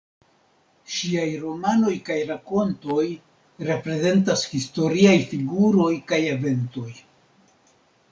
Ŝiaj romanoj kaj rakontoj reprezentas historiaj figuroj kaj eventoj.